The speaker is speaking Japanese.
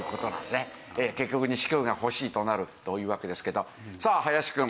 結局錦鯉が欲しいとなるというわけですけどさあ林くん。